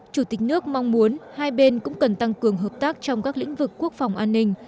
chủ tịch nước mong muốn hai bên cũng cần tăng cường hợp tác trong các lĩnh vực quốc phòng an ninh